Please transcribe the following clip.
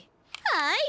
はい。